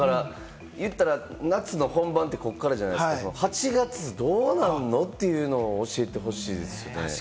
言ったら夏の本番でここからじゃないですか、８月どうなんの？っていうのを教えてほしいですよね。